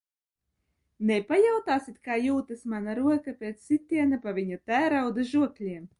Nepajautāsiet, kā jūtas mana roka pēc sitiena pa viņa tērauda žokļiem?